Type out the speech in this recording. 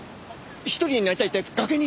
１人になりたいって崖に。